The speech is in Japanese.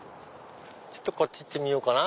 こっち行ってみようかな。